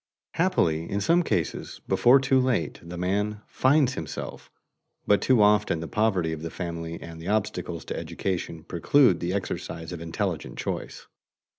Happily in some cases, before too late, the man "finds himself," but too often the poverty of the family and the obstacles to education preclude the exercise of intelligent choice.